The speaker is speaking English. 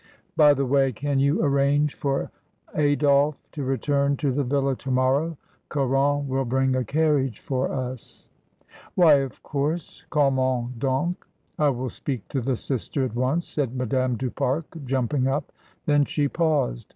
By the way, can you arrange for Adolphe to return to the villa to morrow? Caron will bring a carriage for us." "Why, of course, comment done. I will speak to the sister at once," said Madame du Pare, jumping up. Then she paused.